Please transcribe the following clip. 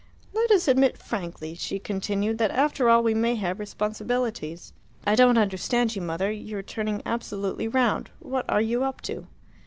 "Let us admit frankly," she continued, "that after all we may have responsibilities." "I don't understand you, Mother. You are turning absolutely round. What are you up to?"